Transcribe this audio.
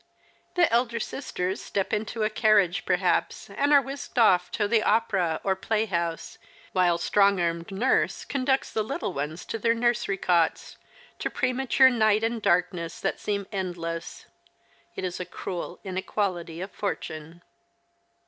The elder sisters step into a carriage perhaps, and are whisked off to the opera or play house, while strong armed Nurse conducts the little ones to their nursery cots — to jjremature night and darkness that seem endless. It is a cruel inequality of fortune.